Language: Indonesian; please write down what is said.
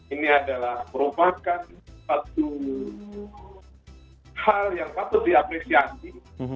ini adalah merupakan satu hal yang patut diapresiasi